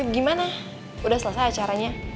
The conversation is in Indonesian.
gimana udah selesai acaranya